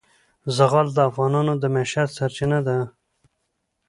زغال د افغانانو د معیشت سرچینه ده.